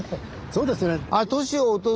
そうですよね！